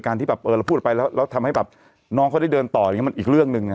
การที่เราพูดไปแล้วทำให้น้องเขาได้เดินต่อมันอีกเรื่องนึง